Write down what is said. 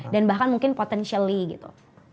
dan bahkan mungkin potentially gitu